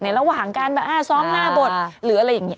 ระหว่างการแบบซ้อมหน้าบทหรืออะไรอย่างนี้